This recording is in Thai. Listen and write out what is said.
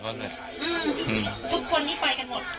ทุกคนนี้ไปกันหมด